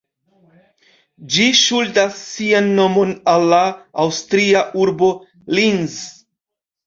Ĝi ŝuldas sian nomon al la aŭstria urbo Linz.